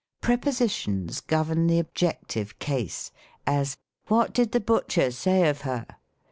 Prepositions govern Ihe objective case : as, " What did the butcher say of her?"